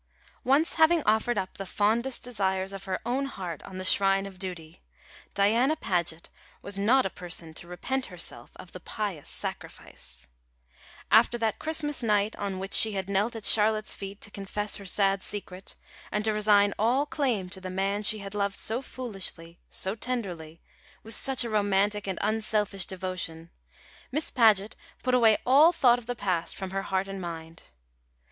Once having offered up the fondest desires of her own heart on the shrine of duty, Diana Paget was not a person to repent herself of the pious sacrifice. After that Christmas night on which she had knelt at Charlotte's feet to confess her sad secret, and to resign all claim to the man she had loved so foolishly, so tenderly, with such a romantic and unselfish devotion, Miss Paget put away all thought of the past from her heart and mind.